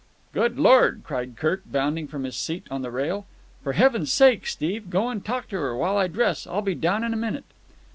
"Good Lord!" cried Kirk, bounding from his seat on the rail. "For Heaven's sake, Steve, go and talk to her while I dress. I'll be down in a minute."